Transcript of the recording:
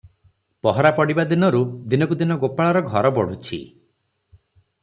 ପହରା ପଡ଼ିବା ଦିନରୁ ଦିନକୁ ଦିନ ଗୋପାଳର ଘର ବଢ଼ୁଛି ।